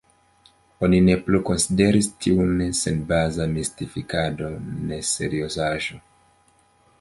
Oni ne plu konsideris tiun senbaza mistifikado, neseriozaĵo.